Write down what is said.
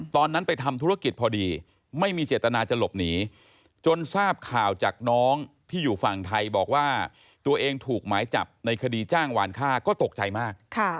ตอนนั้นไปทำธุรกิจพอดีไม่มีเจตนาจะหลบหนีจนทราบข่าวจากน้องที่อยู่ฝั่งไทยบอกว่าตัวเองถูกหมายจับในคดีจ้างวานค่าก็ตกใจมาก